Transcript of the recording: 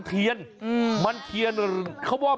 ที่นี่มันเสาครับ